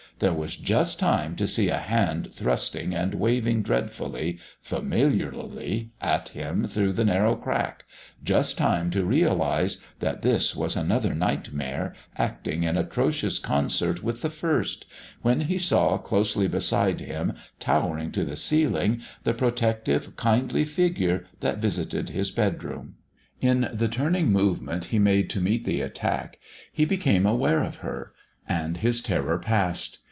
There was just time to see a hand thrusting and waving dreadfully, familiarly, at him through the narrow crack just time to realise that this was another Nightmare acting in atrocious concert with the first, when he saw closely beside him, towering to the ceiling, the protective, kindly Figure that visited his bedroom. In the turning movement he made to meet the attack, he became aware of her. And his terror passed.